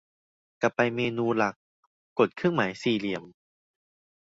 กลับไปเมนูหลัก กดเครื่องหมายสี่เหลี่ยม